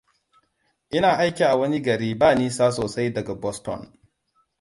Ina aiki a wani gari ba nisa sosai daga Boston.